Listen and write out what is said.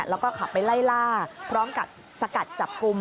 แล้วก็ขับไปไล่ล่าพร้อมกับสกัดจับกลุ่ม